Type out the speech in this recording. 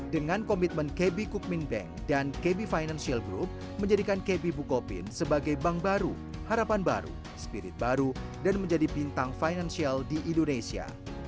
dengan komitmen kb kukmin bank dan kb financial group menjadikan kb bukopin sebagai bank baru harapan baru spirit baru dan menjadi bintang finansial di indonesia